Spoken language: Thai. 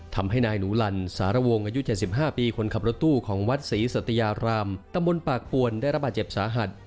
ทำให้นายหนูลันสารวงอายุ๗๕ปีคนขับรถตู้ของวัดศรีสัตยารามตำบลปากปวนได้รับบาดเจ็บสาหัส